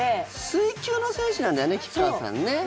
水球の選手なんだよね吉川さんね。